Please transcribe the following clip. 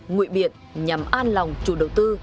nguyễn biệt nhằm an lòng chủ đầu tư